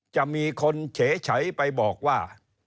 จะมีคนเฉยไปบอกว่า